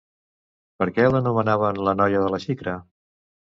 Per què l'anomenaven la noia de la xicra?